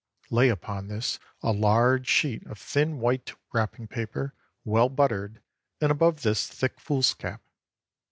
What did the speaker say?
Lay upon this a large sheet of thin white wrapping paper well buttered, and above this thick foolscap.